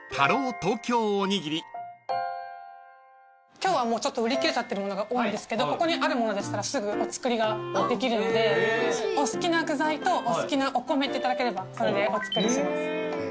今日はもう売り切れちゃってるものが多いんですけどここにあるものでしたらすぐお作りができるのでお好きな具材とお好きなお米言っていただければそれでお作りします。